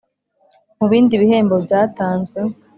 Mu bindi bihembo byatanzwe